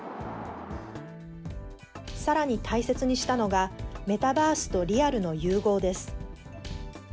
さらに大切にしたのが、メタバースとリアルの融合です。